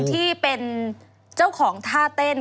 ใครคือน้องใบเตย